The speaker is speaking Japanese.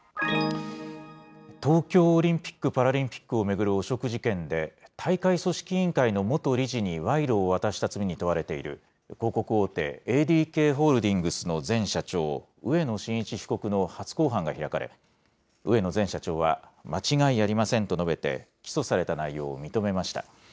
東京オリンピック・パラリンピックを巡る汚職事件で、大会組織委員会の元理事に賄賂を渡した罪に問われている、広告大手、ＡＤＫホールディングスの前社長、植野伸一被告の初公判が開かれ、植野前社長は、間違いありませんと述べて、起訴された内容を認めました。